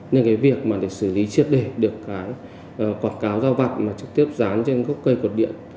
nên cái việc mà để xử lý chiếc đề được cái quảng cáo giao vật mà trực tiếp dán trên gốc cây cột điện